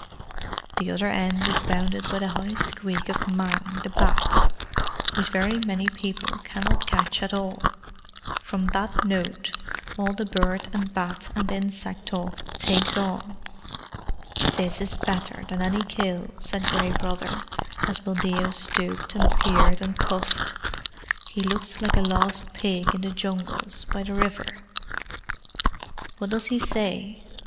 [The other end is bounded by the high squeak of Mang, the Bat, which very many people cannot catch at all. From that note all the bird and bat and insect talk takes on.] "This is better than any kill," said Gray Brother, as Buldeo stooped and peered and puffed. "He looks like a lost pig in the Jungles by the river. What does he say?"